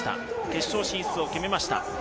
決勝進出を決めました。